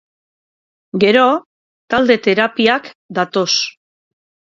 Gero, talde terapiak datoz.